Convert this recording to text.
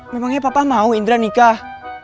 memangnya papa mau indra nikah